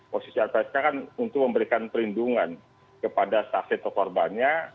posisi lpsk kan untuk memberikan perlindungan kepada saksi atau korbannya